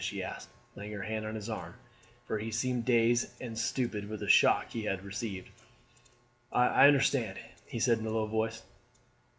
she asked, laying her hand on his arm, for he seemed dazed and stupid with the shock he had received. "I understand," he said in a low voice.